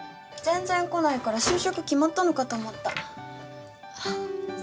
全然来ないから就職決まったのかと思った。